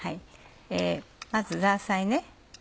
まずザーサイね。